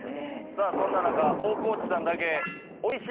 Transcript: さぁそんな中大河内さんだけオイシい。